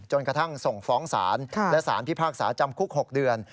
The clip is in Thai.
กระทั่งส่งฟ้องศาลและสารพิพากษาจำคุก๖เดือน